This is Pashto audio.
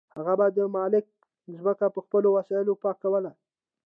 هغه به د مالک ځمکه په خپلو وسایلو پاکوله.